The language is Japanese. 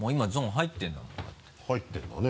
入ってるんだね。